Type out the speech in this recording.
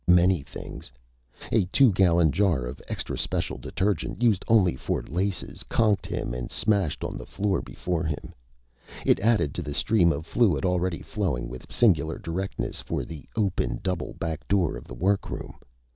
Many things. A two gallon jar of extra special detergent, used only for laces, conked him and smashed on the floor before him. It added to the stream of fluid already flowing with singular directness for the open, double, back door of the workroom.